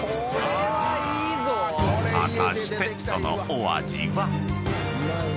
［果たしてそのお味は？］